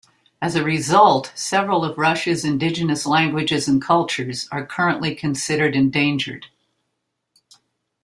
As a result, several of Russia's indigenous languages and cultures are currently considered endangered.